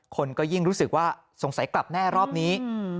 คนก็ยิ่งรู้สึกว่าสงสัยกลับแน่รอบนี้